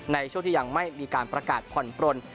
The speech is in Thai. ในช่วงที่ยังไม่มีการประกาศผ่อนปลน